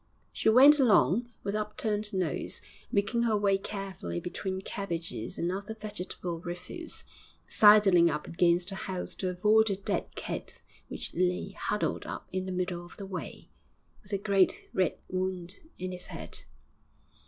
She went along with up turned nose, making her way carefully between cabbages and other vegetable refuse, sidling up against a house to avoid a dead cat which lay huddled up in the middle of the way, with a great red wound in its head.